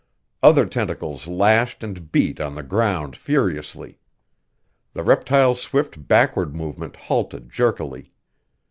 Other tentacles lashed and beat on the ground furiously. The reptile's swift backward movement halted jerkily.